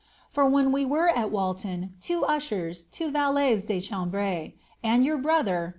For when' we were at Walton, two ushers, two valets ds chambre, and your brother.